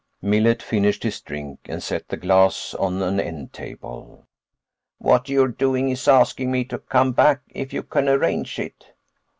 Millet finished his drink and set the glass on an end table. "What you're doing is asking me to come back if you can arrange it."